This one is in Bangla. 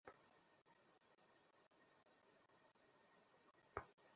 ধারালো অস্ত্র দিয়ে তাঁকে কুপিয়ে হত্যা করা হয়েছে বলে ধারণা করছে পুলিশ।